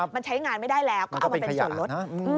มันใช้งานไม่ได้แล้วก็เอามาเป็นส่วนลด